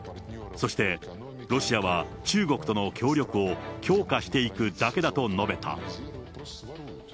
そして、ロシアは中国との協力を強化していくだけだと述べた。